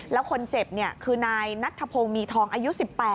แล้วคนเจ็บคือนายนัทธพงศ์มีทองอายุ๑๘